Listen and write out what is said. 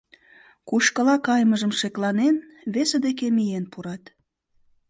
Кушкыла кайымыжым шекланен, весе деке миен пурат.